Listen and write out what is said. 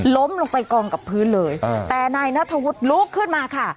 ล้มลงไปกองกับพื้นเลยแต่นายนัทธวุฒิลุกขึ้นมาค่ะ